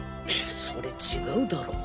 それ違うだろ！